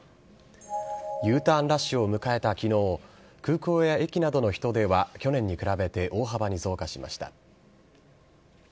Ｕターンラッシュを迎えたきのう、空港や駅などの人出は去年に比べて大幅に増加しました。